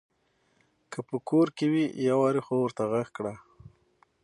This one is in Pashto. که په کور کې وي يوارې خو ورته غږ کړه !